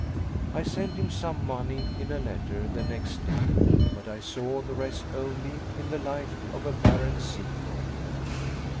I sent him some money in a letter the next day, but I saw the rest only in the light of a barren sequel.